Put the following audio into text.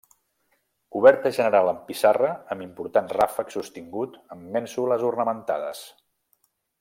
Coberta general amb pissarra amb important ràfec sostingut amb mènsules ornamentades.